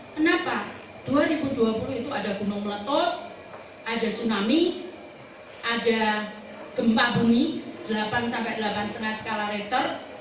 kenapa dua ribu dua puluh itu ada gunung meletos ada tsunami ada gempa bumi delapan sampai delapan delapan lima skala meter